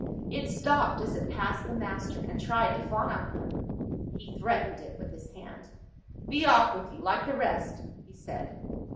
It stopped as it passed the master, and tried to fawn on him. He threatened it with his hand. "Be off with you, like the rest!" he said.